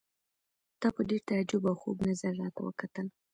تا په ډېر تعجب او خوږ نظر راته وکتل.